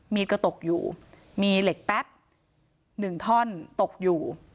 กระตกอยู่มีเหล็กแป๊บ๑ท่อนตกอยู่